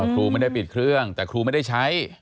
ครูไม่ได้ปิดเครื่องแต่ครูไม่ได้ใช้